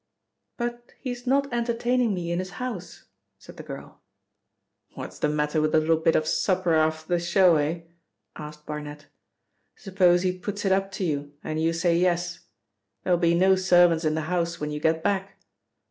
"But he's not entertaining me in his house," said the girl. "What's the matter with a little bit of supper after the show, eh?" asked Barnet. "Suppose he puts it up to you, and you say yes. There'll be no servants in the house when you get back.